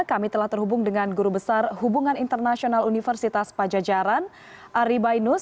kami telah terhubung dengan guru besar hubungan internasional universitas pajajaran ari bainus